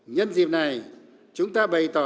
nhân dịp này chúng ta bày tỏ